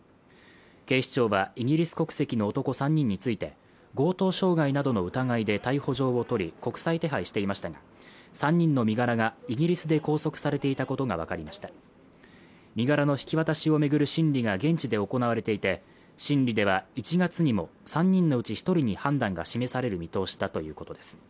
警視庁はイギリス国籍の男３人について強盗傷害などの疑いで逮捕状を取り国際手配していましたが３人の身柄がイギリスで拘束されていたことが分かりました身柄の引き渡しをめぐる審理が現地で行われていて審理では１月にも３人のうち一人に判断が示される見通しだということです